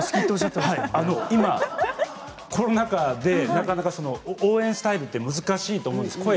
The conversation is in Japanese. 今、コロナ禍でなかなか応援スタイルって難しいと思うんです。